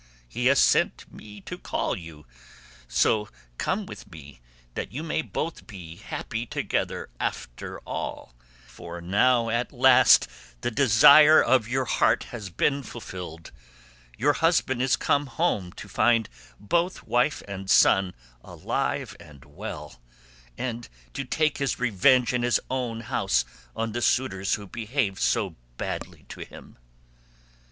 He has sent me to call you, so come with me that you may both be happy together after all; for now at last the desire of your heart has been fulfilled; your husband is come home to find both wife and son alive and well, and to take his revenge in his own house on the suitors who behaved so badly to him."